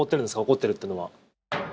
怒ってるっていうのは。